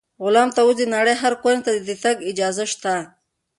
غلام ته اوس د نړۍ هر کونج ته د تګ اجازه شته.